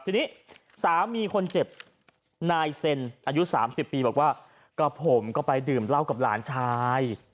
ทีนี้สามีคนเจ็บนายเซ็นอายุ๓๐ปีบอกว่าก็ผมก็ไปดื่มเหล้ากับหลานชาย